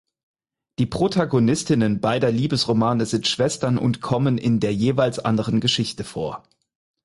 Die Protagonistinnen beider Liebesromane sind Schwestern und kommen in der jeweils anderen Geschichte vor.